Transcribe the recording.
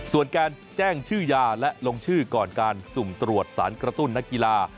ส่วนการแจ้งชื่อยาและลงชื่อก่อนการสุ่มตรวจสารกระตุ้นนักกีฬา